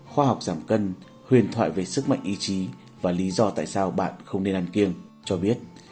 khoa học giảm cân huyền thoại về sức mạnh ý chí và lý do tại sao bạn không nên ăn kiêng cho biết